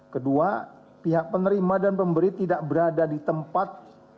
kedua pihak penerima dan pemberi tidak berada di tempat